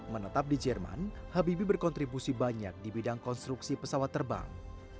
menetap di jerman habibi berkontribusi banyak di bidang konstruksi pesawat terbang